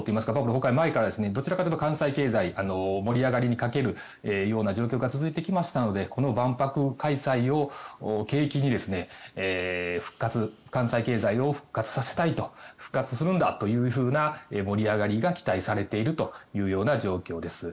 崩壊前からどちらかというと関西経済は盛り上がりに欠けるような状況が続いてきましたのでこの万博開催を契機に復活関西経済を復活させたいと復活するんだという盛り上がりが期待されているという状況です。